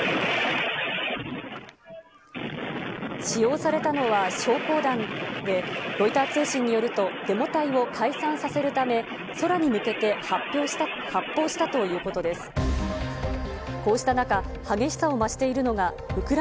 使用されたのはせん光弾で、ロイター通信によると、デモ隊を解散させるため、空に向けて発砲したということです。